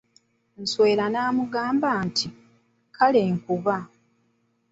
Nsowera n'amugamba nti, kale buuka!